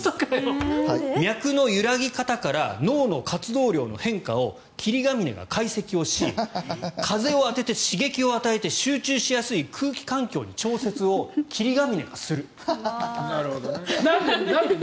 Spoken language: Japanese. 脈の揺らぎ方から脳の活動量の変化を霧ヶ峰が解析をし風を当てて刺激を与えて集中しやすい空気環境になるほどね。